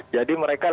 jadi mereka lebih